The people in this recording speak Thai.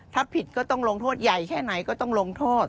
ถ้าผิดก็ต้องลงโทษใหญ่แค่ไหนก็ต้องลงโทษ